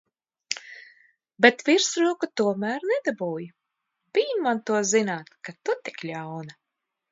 Bet virsroku tomēr nedabūji. Bij man to zināt, ka tu tik ļauna!